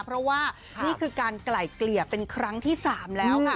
เพราะว่านี่คือการไกล่เกลี่ยเป็นครั้งที่๓แล้วค่ะ